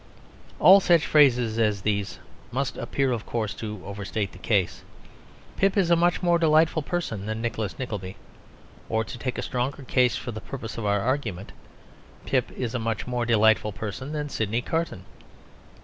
All such phrases as these must appear of course to overstate the case. Pip is a much more delightful person than Nicholas Nickleby. Or to take a stronger case for the purpose of our argument, Pip is a much more delightful person than Sydney Carton.